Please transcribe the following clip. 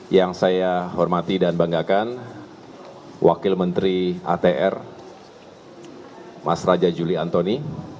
yang saya hormati dan banggakan wakil menteri atr mas raja juli antoni